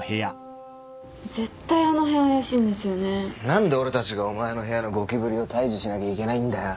何で俺たちがお前の部屋のゴキブリを退治しなきゃいけないんだよ。